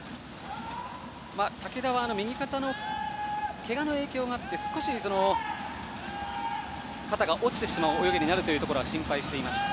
竹田は右肩のけがの影響があって少し方が落ちる泳ぎになることを心配していました。